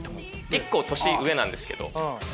１個年上なんですけど。